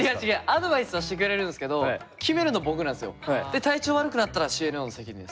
アドバイスはしてくれるんですけどで体調悪くなったらＣＮＯの責任です。